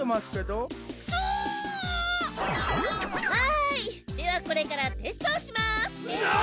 はいではこれからテストをします。